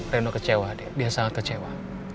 reno kecewa dia sangat kecewa